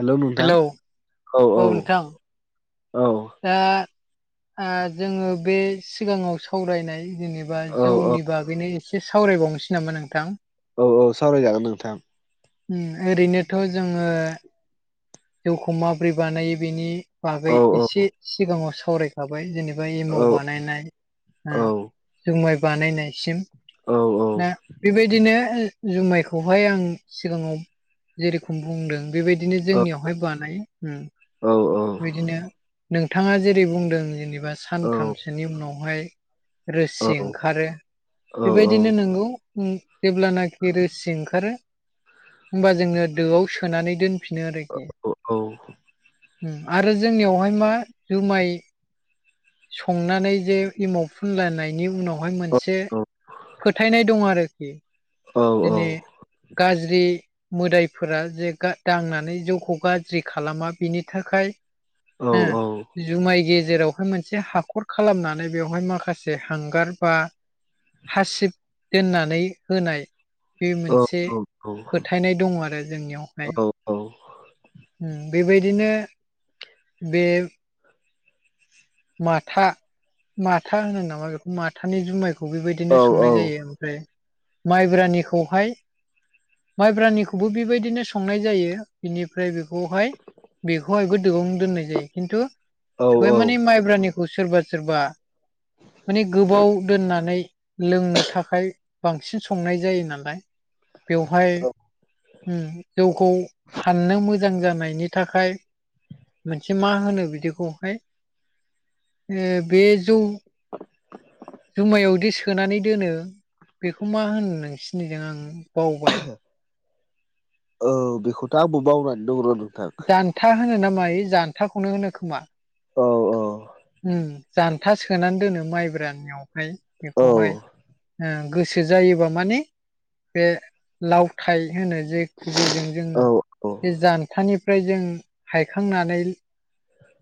हेल' नोंथां हेलौ औ नोंथां औ-औ-औ दा जोङो बे सिगाङाव सावरायनाय जेने औ औ बाजौनि बागैनो एसे सावरायबावनोसै नामा नोंथां औ - सावरायजागोन नोंथां ओरैनोथ' जोङो जौखौ माबोरै बानायो बेनि बागै औ एसे सिगाङाव सावराय थाबाय जेनेबा औ एमाव बानायनाय औ जुमाइ बानायनायसिम औ-औ दा बेबायदिनो जुमायखौहाय आं सिगाङाव जेरेखम बुंदों बेबायदिनो जोंनियावहाय बानायो औ औ बिदिनो नोंथाङा जेरै बुंदों जेनेबा औ सानथामसोनि उनावहाय रोसि औ औ ओंखारो बेबायदिनो नोंगौ जेब्लानाखि रोसि ओंखारो होमबा जोङो दोआव सोनानै दोन फिनो आरोखि औ आरो जोंनियावहाय मा जुमाय संनानै जे एमाव फुनलायनायनि उनावहाय मोन से फोथायनाय दं आरोखि दिनै गाज्रि मोदायफोरा जे दांनानै जौखौ गाज्रि खालामा बिनि थाखाय नो औ जुमाय गेजेरावहाय मोनसे हाखर खालामनानै बेवहाय माखासे हांगार बा हासिब दोननानै होनाय बे मोनसे फोथायनाय दङ आरो जोंनियावहाय उम बेबायदिनो बे माथा माथा होनो नामा बेखौ माथानि जुमायखौ खौ बेबायदिनो संनाय जायो ओमफ्राय माइब्रानिखौहाय माइब्रानिखौबो बेबायदिनो संनाय जायो बिनिफ्राय बेखौहाय बेखौहायबो दुयावनो दोननाय जायो खिन्थु औ बेवहाय औ माने माइब्रानिखौ सोरबा सोरबा माने गोबाव दोननानै लोंनो थाखाय बांसिन संनाय जायो नालाय बेवहाय उम जौखौ हाननो मो मोजां जानायनि थाखाय मोनसे मा होनो बिदिखौहाय ओ बे जौ जुमायावदि सोनानै दोनो बेखौ मा होनो नोंसिरनिजों आं बावबाय औ बेखौथ' आंबो मावनानै दं र' नोंथां जान्था होनो नामा मायो जान्थाखौनो होनो खोमा औ औ जान्था सोनानै दोनो माइब्रानियावहाय औ बेखौहाय गोसो जायोबा माने बे लावथाइ होनो जे जेजों जोङो औ औ बे जानथानिफ्राय जों हायखांनानै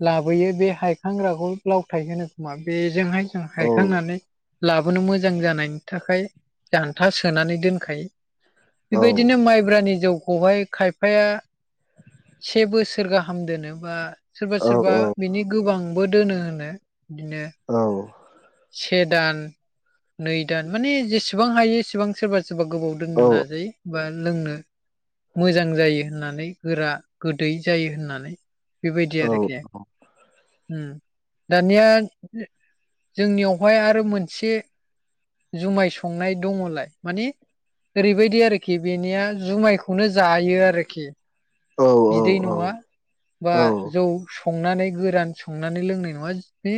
लाबोयो बे हायखां राव आगल लावथाइ होनो खोमा बेजोंहाय जों औ हायखांनानै लाबोनो मोजां जानायनि थाखाय जान्था सोनानै दोनखायो औ बेबायदिनो माइब्रानि जौखौहाय खाय फाया से बोसोर गाहाम दोनो बा सोरबा औ सोरबा बिनि गोबां बो दोनो होनो बिदिनो औ से दान नै दान माने जेसेबां हायो एसेबां सोरबा सोरबा गोबाव औ दोननो नाजायो बा लोंनो मोजां जायो होननानै गोरा गोदै जायो होननानै बेबायदि आरोखि दानिया जोंनियावहाय आरो मोनसे जुमाय संनाय दङलाय माने ओरैबायदि आरोखि बेनिया जुमायखौनो जायो आरोखि औ बिदै औ नङा बा औ जौ संनानै गोरान संनानै लोंनाय नङा बे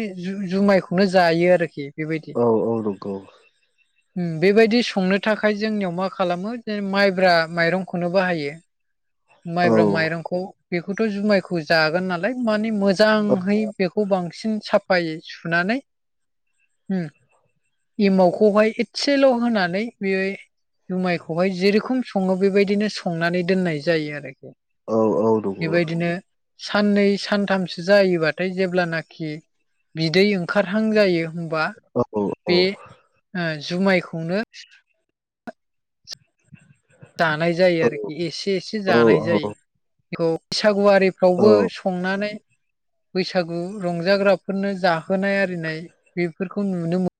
जुमाय नो जायो आरोखि बेबायदि औ औ नंगौ उम बेबायदि संनो थाखाय जोंनियाव मा खालामो जे माइब्रा माइरंखौनो बाहायो औ माइब्रा माइरंखौ बेखौथ' जुमायखौ जागोन नालाय मानि औ मोजाङै बेखौ बांसिन साफायै सुनानै उम एमावखौहाय एसेल' होनानै बे जुमायखौहाय जेरोखम सङो बेबायदिनो संनानै दोननाय जायो जायो आरोखि औ नंगौ बेबायदिनो साननै सानथामसो जायोबाथाय जेब्लानाखि बिदै ओंखारहां जायो होनबा औ औ औ बे जुमायखौनो जानाय जायो आरोखि औ एसे एसे औ जानाय जायो बे औ बैसागुवारिफ्रावबो औ संनानै बैसागु रंजाग्राफोरनो जाहोनाय आरिनाय बेफोरखौ नुनो मोनो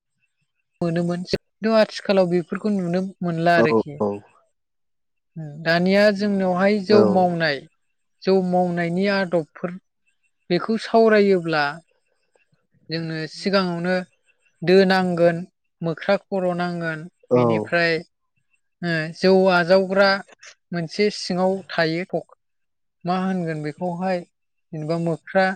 मोनोमोन जिन्थु आथिखालाव बेफोरखौ नुनो मोनला आरोखि दानिया जोंनावहाय जौ मावनाय जौ मावनायनि आदबफोर बेखौ सावरायोब्ला जोंनो सिगाङावनो दो नांगोन मोख्रा खर' नांगोन बिनिफ्राय जौ आजावग्रा मोनसे सिङाव थायो मा होनगोन बेखौहाय जेनेबा मोख्रा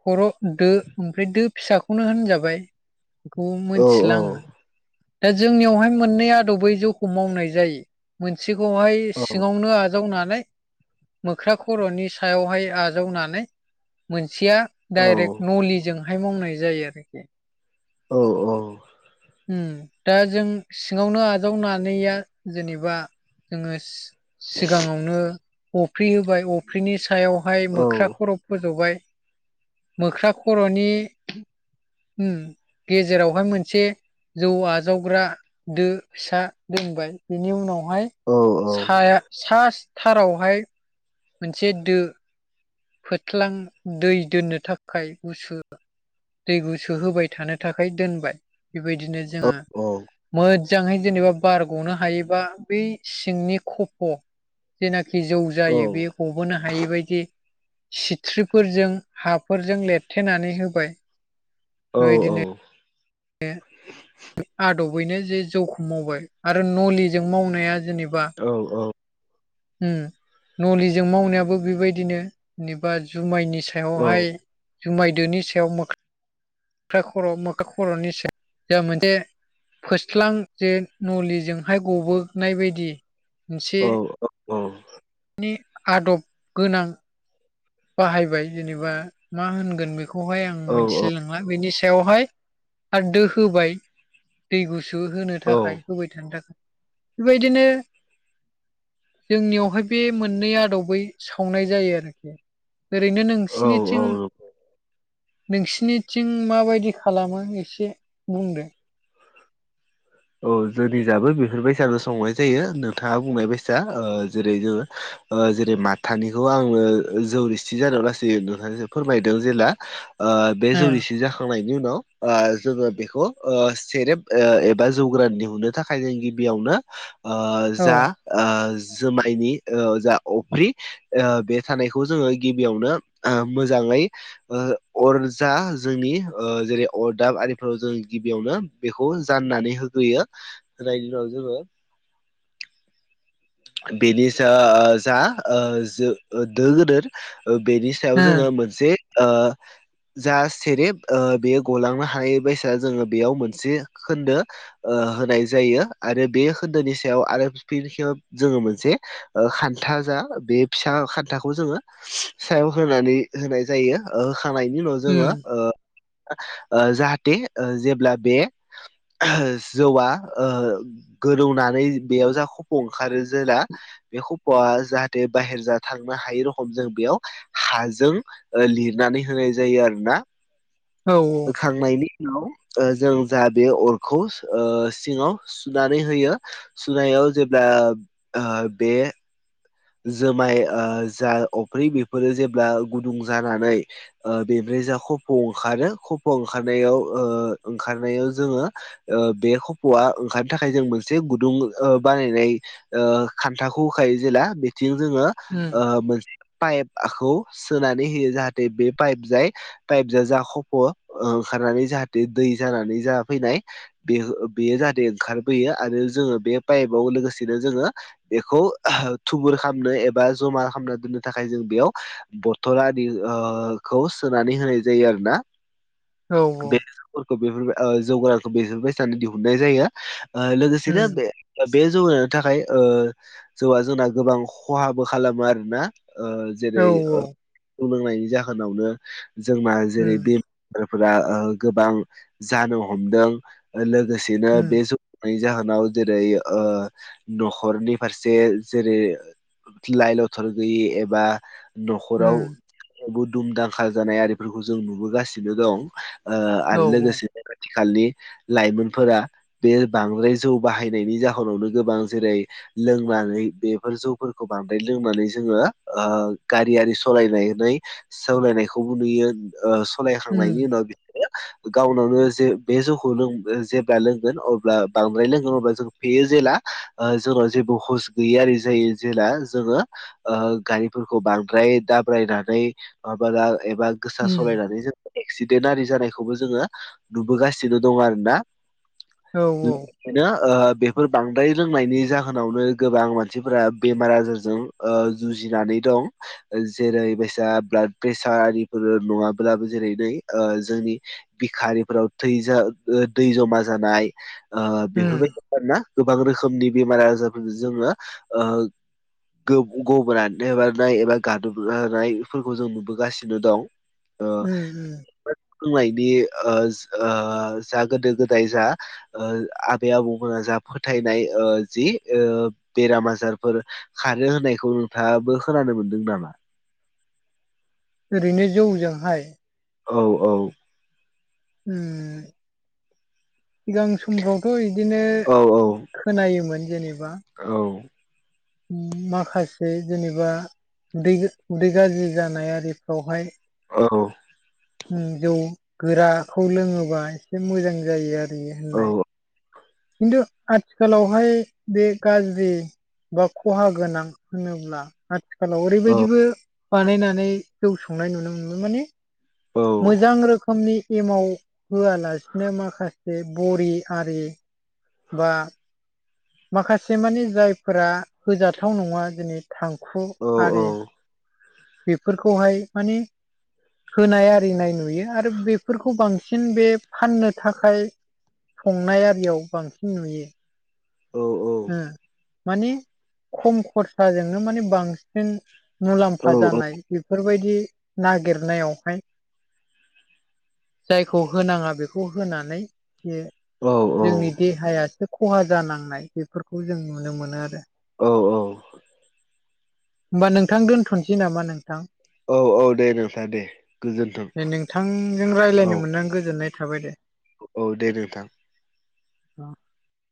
खर' दो ओमफ्राय दो फिसाखौनो होनजाबाय बेखौ मिथिला आङो दा जोंनियावहाय मोननै आदबै जौखौ मावनाय जायो मोनसेखौहाय औ सिङावनो आजावनानै मोख्रा खर'नि सायावहाय आजावनानै मोनसेया डाइरेक्ट नलिजोंहाय मावनाय जायो आरोखि औ औ उम दा जों सिङावनो आजावनानैया जेनेबा जोङो सिगाङावनो अफ्रि होबाय अफ्रिनि सायावहाय मोख्रा खर' फोज'बाय मोख्रा खर'नि गेजेरावहाय मोनसे जौआ आजावग्रा दो फिसा दोनबाय बिनि उनावहाय साया- सा थारावहाय मोनसे दो फोथ्लां दै दोननो थाखाय गुसु दै गुसुहोबाय थानो थाखाय दोनबाय बेबायदिनो जोङो मो- जांहै जेनेबा बार ग'नो हायोबा बै सिंनि खफ' जेनाखि जौ जायो बेयो गबोनो हायिबायदि सिथ्रिफोरजों हाफोरजों लेरथेनानै होबाय औ औ बे आदबैनो जे जौखौ मावबाय आरो नलिजों मावनाया जेनेबा औ औ उम नलिजों मावनायाबो बेबायदिनो जेनेबा जुमायनि सायावहाय जुमायदोनि सायाव मोख्रा- मोख्रा खर' मोख्रा खर'नि सायाव जा मोनसे फोस्लां जे नलिजोंहाय गबोनाय बायदि मोनसे नि आदब गोनां बाहायबाय जेनेबा मा होनगोन बेखौहाय आं मिनथिलाय लां- ला बेनि सायावहाय आरो दो होबाय दै गुसु होनो थाखाय होबाय थानो थाखाय बेबायदिनो जोंनियावहाय बे मोननै आदबै सावनाय जायो आरोखि ओरैनो औ नोंसिनिथिं औ नोंसिनिथिं माबायदि खालामो एसे बुंदो औ जोंनि जाबो बेफोरबायसानो संनाय जायो नोंथाङा बुंनाय बायसा ओ जेरै जोङो ओ जेरै माथानिखौ आङो जौरिसि जानाय लासै नोंथांनो फोरमायदों जेला ओ बे औ जौरिसि जाखांनायनि उनाव ओ जोङो बेखौ ओ सेरेब ओ एबा जौगोरान दिहुननो थाखाय जों गिबियावनो ओ जा ओ जोमायनि ओ जा अफ्रि ओ बे थानायखौ जोङो गिबियावनो ओ मोजाङै ओ अरजा जोंनि जेरै अरदाब आरिफोराव जों गिबियावनो बेखौ जाननानै होग्रोयो होनायनि उनाव जोङो बेनि जा ओ जा ओ जो ओ दो गोदोर ओ बेनि सायाव जोङो मोनसे ओ जा सेरेब ओ बेयो गलांनो हानाय बायसा जोङो बेयाव मोनसे खोन्दो ओ होनाय जायो आरो बे खोन्दोनि सायाव आरो फिन खेब जोङो मोनसे ओ खान्था जा बे फिसा खान्थाखौ जोङो सायाव होनानै होनाय जायो ओ होखांनायनि उनाव जोङो ओ ओ जाहाथे ओ जेब्ला बे जौआ ओ गोदौनानै बेयाव जा खफ' ओंखारो जेला बे खफ'आ जाहाथे बाहेर जा थांनो हायै रखम जों बेयाव हाजों ओ लिरनानै होनाय जायो आरो ना औ औ होखांनायनि उनाव ओ जों जा बे अरखौ ओ सिङाव सुनानै होयो सुनायाव जेब्ला बे जुमाय जा अफ्रि बेफोरो जेब्ला गुदुं जानानै ओ बेनिफ्राय जा खफ' ओंखारो खफ' ओंखारनायाव ओ ओंखारनायाव जोङो ओ बे खफ'आ ओंखारनो थाखाय जों मोनसे गुदुं ओ बानायनाय खान्थाखौ होखायो जेला बिथिं जोङो उम मोन पाइपखौ सोनानै होयो जाहाथे बे पाइप जाय टाइप जा जाखफ' ओंखारनानै जाहाथे दै जानानै जा फैनाय बे बेयो जाहाथे ओंखारबोयो आरो जोङो बे पाइपआव लोगोसेनो जोङो बेखौ थुबुर खालामनो एबा जमा खालामना दोननो थाखाय जों बेयाव बथलदि खौ सोनानै होनाय जायो आरो ना औ औ बेफोरखौ बेफोर जौगारखौ बेफोरबायसानो दिहुननाय जायो लोगोसेनो उम बे बे जौगानायनि थाखाय जौआ जोंना गोबां खहाबो खालामो आरोना औ जेरै औ लोंनायनि जाहोनावनो जोंना उम जेरै बे फोर गोबां जानो हमदों लोगोसेनो उम बे ज नि जाहोनाव जेरै न'खरनि फारसे जेरै लाइ लथर गैयि एबा उम न'खराव बुदुमदांखााल जानाय आरिफोरखौ जों नुबोगासिनो दं औ आरो लोगोसे आथिखालनि लाइमोनफोरा बे बांद्राय जौ बाहायनायनि जाहोनावनो गोबां जेरै लोंनानै बेफोर जौफोरखौ बांद्राय लोंनानै जोङो गारि आरि सालायनायाय सावालायनायखौबो नुयो सालायखांनायनि उनाव [inaudible] बिसोरो गावनावनो जे बे जौखौ लों जेब्ला लोंगोन अब्ला बांद्राय लोंगोन अब्ला जों फेयो जेला जोंनाव जेबो हस गैयियि जायो जेला जोङो गारिफोरखौ बांद्राय दाब्रायनानै माबा एबा गोसा उम सालायनानै जों एक्सिडेन्ट आरि जानायखौबो जोङो नुबोगासिनो दङ आरो ना औ औ लोगोसेनो बेफोर बांद्राय रोंनायनि जाहोनावनो गोबां मानसिफोरा बेमार आजारजों जुजिनानै दं जेरै बायसा ब्लाड प्रेसार आरिफोर नङाब्लाबो जेरै नै जोंनि बिखारिफोराव थैज दै जमा जानाय उम बेफोरबायदि आरोना गोबां रोखोमनि बेमार आजारफोरजों जोङो। गबनानै मारानाय एबा गादोबानायफोरखौ जों नुबोगासिनो दं। उम उम। बुंनायनि जा गोदो गोदाय जा आबै आबौमोन जा फोथायनाय जि बेराम आजारफोर खारो होननायखौ नोंथाङाबो खोनानो मोनदों नामा। ओरैनो जौजोंहाय औ औ। सिगां समफ्रावथ' बिदिनो औ खोनायोमोन जेनेबा। औ माखासे जेनेबा उदै गाज्रि जानाय आरिफ्रावहाय। औ। जौ गोराखौ लोङोबा एसे मोजां जायो आरो औ होननाय। खिन्थु आथिखालावहाय बे गाज्रि बा खहा गोनां होनोब्ला आथिखालाव औ ओरैबायदिबो बानायनानै जौ संनाय नुनो मोनो माने। औ मोजां रोखोमनि एमाव होआलासिनो माखासे बरि आरि बा माखासे मानिे जायफोरा होजाथाव नङा दिनै थांखु औ आरि। बेफोरखौहाय माने होनाय आरिनाय नुयो आरो बेफोरखौ बांसिन बे फाननो थाखाय। संनाय आरियाव बांसिन नुयो। औ माने खम खरसाजोंनो माने बांसिन मुलाम्फा जानाय बेफोरबायदि नागिरनायावहाय जायखौ होनाङा बेखौ होनानै बे औ जोंनि देहायासो खहा जानांनाय बेफोरखौ जों नुनो मोनो आरो। औ औ। होमबा नोंथां दोन्थ'नोसै नामा नोंथां। औ औ दे नोंथां दे गोजोन्थों नोंथांजों रायज्लायनो औ मोननानै गोजोननाय थाबाय दे औ दे नोंथां।